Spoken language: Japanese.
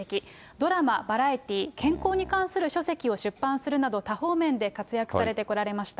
ドラマ、バラエティー、健康に関する書籍を出版するなど多方面で活躍されてこられました。